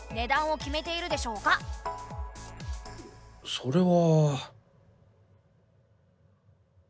それは。